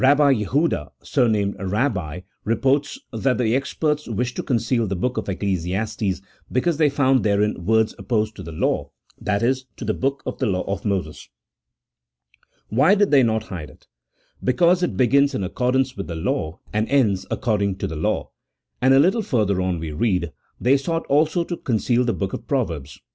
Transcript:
Jehuda, surnamed Eabbi, reports that the experts wished to conceal the book of Ecclesiastes because they found therein words opposed to the law (that is, to the book of the law of Moses). Why did they not hide it ? Because it begins in accordance with the law, and ends according to the law ;" and a little further on we read :" They sought also to conceal the book of Proverbs."